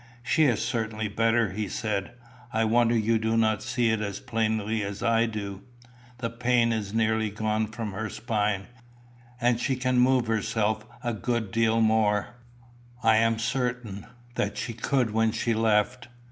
"She is certainly better," he said. "I wonder you do not see it as plainly as I do. The pain is nearly gone from her spine, and she can move herself a good deal more, I am certain, than she could when she left.